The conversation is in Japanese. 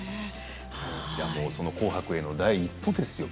「紅白」への第一歩ですよ